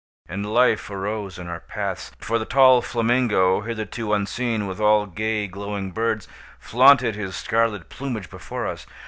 And life arose in our paths; for the tall flamingo, hitherto unseen, with all gay glowing birds, flaunted his scarlet plumage before us.